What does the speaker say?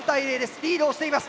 リードをしています。